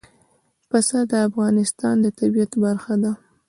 پسه د افغانستان د طبیعت برخه ده.